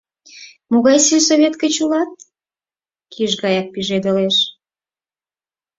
— Могай сельсовет гыч улат? — киш гае пижедылеш.